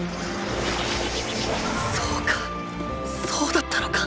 そうかそうだったのか！